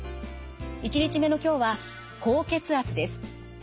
１日目の今日は高血圧です。